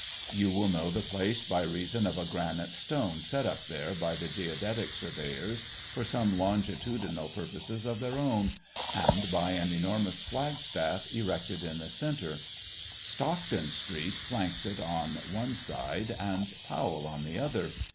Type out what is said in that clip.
You will know the place by reason of a granite stone set up there by the Geodetic surveyors, for some longitudinal purposes of their own, and by an enormous flagstaff erected in the center. Stockton street flanks it on one side and Powell on the other.